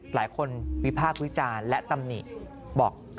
หลายคนวิพากษ์วิจารณ์และตำหนิบอก